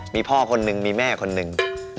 มีพ่อคนนึงมีแม่คนหนึ่ง